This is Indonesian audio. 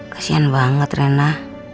kasian banget rena